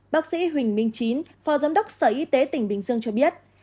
bác sĩ huỳnh minh chín phó giám đốc sở y tế tỉnh bình dương cho biết